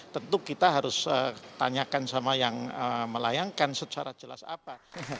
tentu kita harus tanyakan sama yang melayangkan secara jelas apa